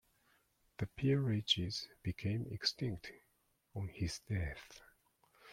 The peerages became extinct on his death.